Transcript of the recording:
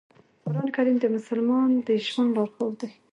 قرآن کریم د مسلمان د ژوند لارښود دی.